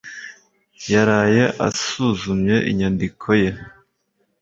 yaraye asuzumye inyandiko ye.